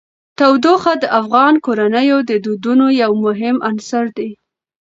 تودوخه د افغان کورنیو د دودونو یو مهم عنصر دی.